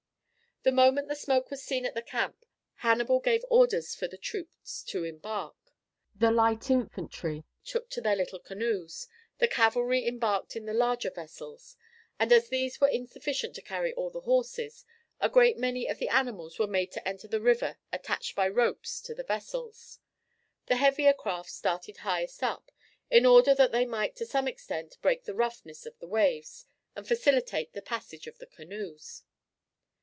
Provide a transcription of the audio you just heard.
The moment the smoke was seen in the camp Hannibal gave orders for the troops to embark. The light infantry took to their little canoes, the cavalry embarked in the larger vessels, and, as these were insufficient to carry all the horses, a great many of the animals were made to enter the river attached by ropes to the vessels. The heavier craft started highest up, in order that they might to some extent break the roughness of the waves and facilitate the passage of the canoes.